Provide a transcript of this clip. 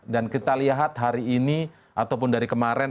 dan kita lihat hari ini ataupun dari kemarin